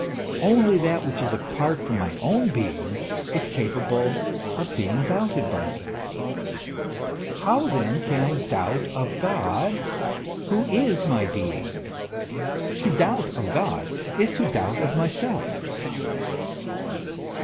Only that which is apart from my own being is capable of being doubted by me. How then 20 THE ESSENCE OF CHRISTIANITY. can I doubt of God, who is my being ? To doubt of God is to doubt of myself.